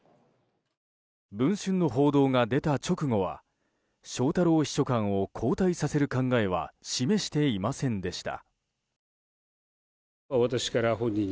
「文春」の報道が出た直後は翔太郎秘書官を交代させる考えは示していませんでした。